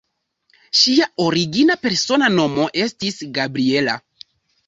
Ŝia origina persona nomo estis "Gabriella".